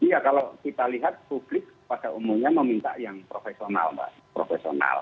ya kalau kita lihat publik pada umumnya meminta yang profesional